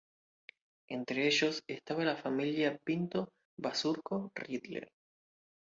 Entre ellos estaba la familia Pinto-Bazurco-Rittler.